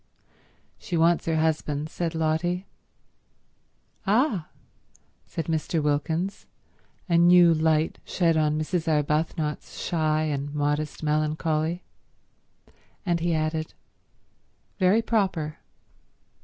"She wants her husband," said Lotty. "Ah," said Mr. Wilkins, a new light shed on Mrs. Arbuthnot's shy and modest melancholy. And he added, "Very proper."